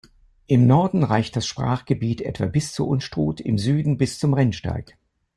Im Norden reicht das Sprachgebiet etwa bis zur Unstrut, im Süden bis zum Rennsteig.